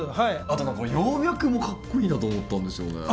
あと葉脈もかっこいいなと思ったんですよね。